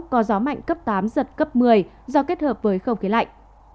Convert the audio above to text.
có gió mạnh cấp tám giật cấp một mươi do kết hợp với không khí lạnh